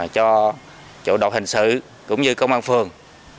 cho chủ độc hình sự cũng như công an phường